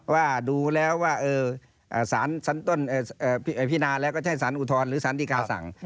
ว่าดูแล้วว่าพี่นาแล้วก็จะให้สารอุทธรณ์หรือสารธิกาสั่ง